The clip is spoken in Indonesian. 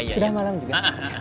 sudah malam juga